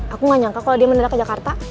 aku gak nyangka kalau dia mendadak ke jakarta